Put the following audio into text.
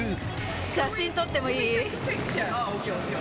写真撮ってもいい？